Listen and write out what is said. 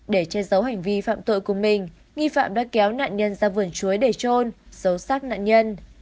để che giấu hành vi phạm tội của mình nghi phạm đã kéo nạn nhân ra vườn chuối để trôn giấu sát nạn nhân